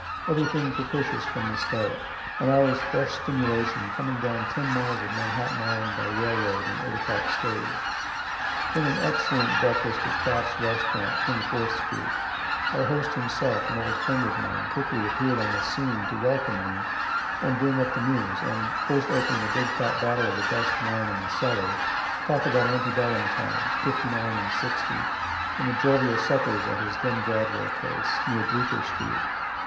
Everything propitious from the start. An hour's fresh stimulation, coming down ten miles of Manhattan island by railroad and 8 o'clock stage. Then an excellent breakfast at Pfaff's restaurant, 24th street. Our host himself, an old friend of mine, quickly appear'd on the scene to welcome me and bring up the news, and, first opening a big fat bottle of the best wine in the cellar, talk about ante bellum times, '59 and '60, and the jovial suppers at his then Broadway place, near Bleecker street.